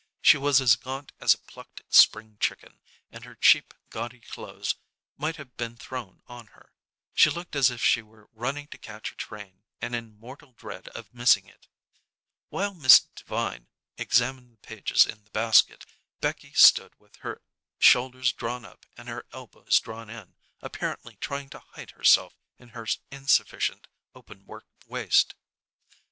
She was as gaunt as a plucked spring chicken, and her cheap, gaudy clothes might have been thrown on her. She looked as if she were running to catch a train and in mortal dread of missing it. While Miss Devine examined the pages in the basket, Becky stood with her shoulders drawn up and her elbows drawn in, apparently trying to hide herself in her insufficient open work waist.